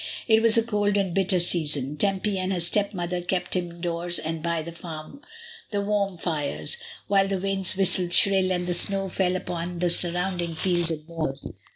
It was a cold and bitter season. Tempy and her stepmother kept indoors and by the warm fires, while the winds whistled shrill and the snow fell upon the surrounding fells and moors.